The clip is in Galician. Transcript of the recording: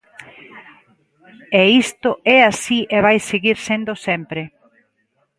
E isto é así e vai seguir sendo sempre.